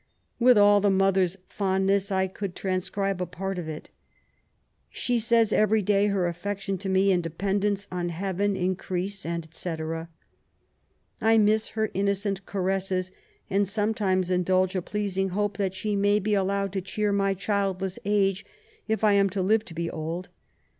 With all the mother's fondness, I conld transcribe a part of it. She says, every day her affection to me, and dependence on heaven, increase, (fee. I miss her innocent •caresses, and sometimes indulge a pleasing hope that she may be Allowed to cheer my childless age, if I am to live to be old.